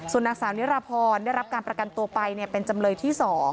นางสาวนิรพรได้รับการประกันตัวไปเป็นจำเลยที่๒